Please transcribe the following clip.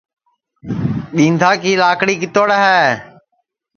ٻِینٚدا کی لاکڑی کِتوڑ ہے